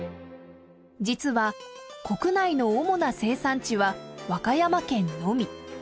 実は国内の主な生産地は和歌山県のみ。